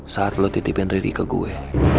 saat lu titipin riri ke gue